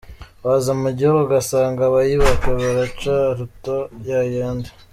Waza mu gihugu ugasanga abayabika baraca aruta yayandi.